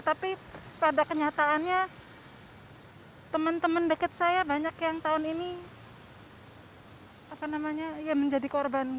tapi pada kenyataannya teman teman dekat saya banyak yang tahun ini menjadi korban